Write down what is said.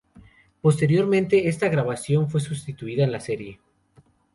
Posteriormente esta grabación fue sustituida en la serie.